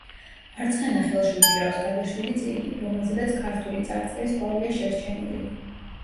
მარცხენა ხელში უჭირავს გადაშლილი წიგნი, რომელზედაც ქართული წარწერის კვალია შერჩენილი.